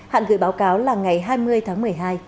hạn gửi báo cáo là ngày hai mươi tháng một mươi hai